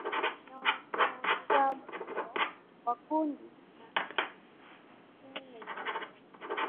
na wanamgambo wa kundi la ndlf nchini nigeria